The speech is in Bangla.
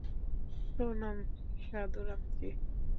প্রণাম, সাধু রামজি।